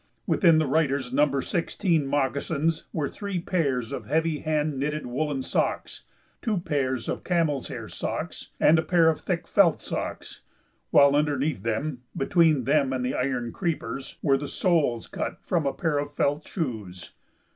Within the writer's No. 16 moccasins were three pairs of heavy hand knitted woollen socks, two pairs of camel's hair socks, and a pair of thick felt socks; while underneath them, between them and the iron "creepers," were the soles cut from a pair of felt shoes.